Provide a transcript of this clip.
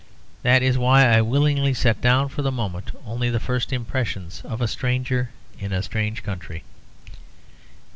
That is why I willingly set down for the moment only the first impressions of a stranger in a strange country.